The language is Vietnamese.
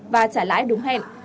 và trả lãi đúng hẹn